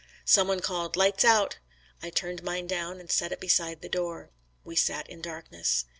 Some one called "Lights out." I turned mine down and set it behind the door. We sat in darkness.